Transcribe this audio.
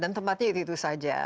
dan tempatnya itu saja